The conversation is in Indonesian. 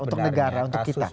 untuk negara untuk kita